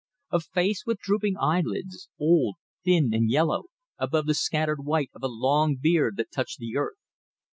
A face with drooping eyelids, old, thin, and yellow, above the scattered white of a long beard that touched the earth.